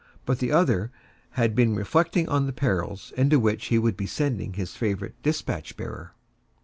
But the other had been reflecting on the perils into which he would be sending his favorite despatch bearer.